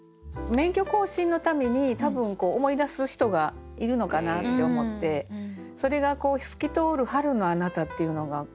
免許更新の度に多分思い出す人がいるのかなって思ってそれが「透きとおる春のあなた」っていうのがはかなくて。